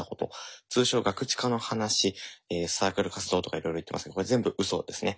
通称ガクチカの話サークル活動とかいろいろ言ってますけどこれ全部うそですね。